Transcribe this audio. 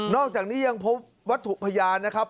อกจากนี้ยังพบวัตถุพยานนะครับ